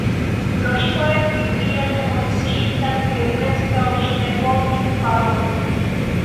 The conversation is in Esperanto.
Floriso estis tiel emociita, ke preskaŭ li ne povis paroli.